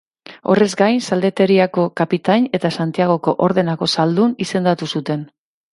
Horrez gain, zalditeriako kapitain, eta Santiagoko Ordenako Zaldun izendatu zuten.